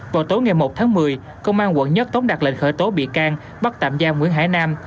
vào tối ngày một tháng một mươi công an quận một tống đạt lệnh khởi tố bị can bắt tạm giam nguyễn hải nam